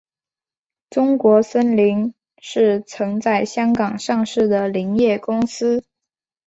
中国森林是曾在香港上市的林业公司。